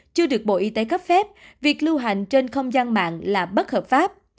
chưa được bộ y tế cấp phép việc lưu hành trên không gian mạng là bất hợp pháp